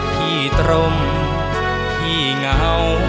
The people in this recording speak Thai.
พี่ตรงพี่เหงา